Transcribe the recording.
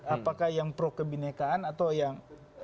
apakah yang pro kebinekaan atau yang